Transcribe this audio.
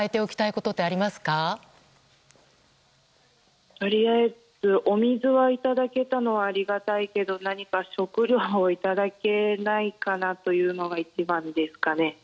とりあえず、お水はいただけたのはありがたいけど何か食料をいただけないかなというのが一番ですかね。